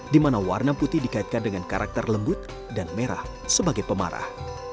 di mana warna putih dikaitkan dengan karakter lembut dan merah sebagai pemarah